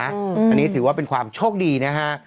อันนี้ถือว่าเป็นความโชคดีนะฮะ